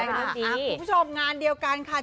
คุณผู้ชมงานเดียวกันค่ะ